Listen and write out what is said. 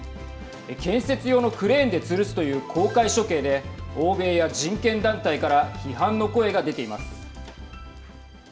建設用のクレーンでつるすという公開処刑で欧米や人権団体から批判の声が出ています。